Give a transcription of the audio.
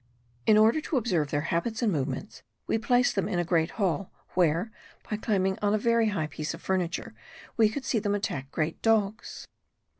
In order to observe their habits and movements,* we placed them in a great hall, where, by climbing on a very high piece of furniture, we could see them attack great dogs.